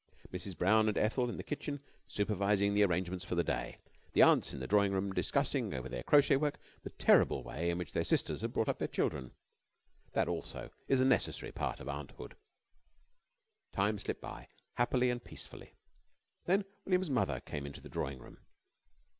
Mrs. Brown and Ethel in the kitchen supervising the arrangements for the day. The aunts in the drawing room discussing over their crochet work the terrible way in which their sisters had brought up their children. That, also, is a necessary part of aunthood. Time slipped by happily and peacefully. Then William's mother came into the drawing room.